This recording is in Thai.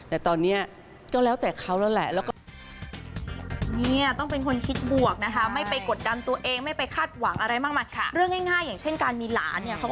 แต่ตอนนี้ก็แล้วแต่เขาแล้วแหละแล้วก็